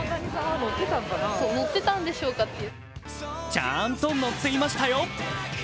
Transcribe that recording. ちゃんと乗っていましたよ。